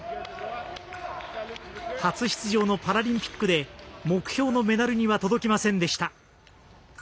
初出場のパラリンピックで目標のメダルには届きませんでした。